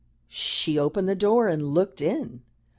She opened the door and looked in.